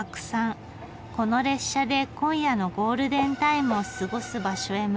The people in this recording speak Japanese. この列車で今夜のゴールデンタイムを過ごす場所へ向かいます。